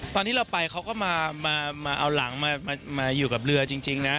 ตอนที่เราไปเขาก็มาเอาหลังมาอยู่กับเรือจริงนะ